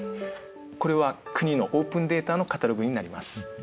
これは国のオープンデータのカタログになります。